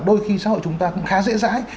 đôi khi xã hội chúng ta cũng khá dễ dãi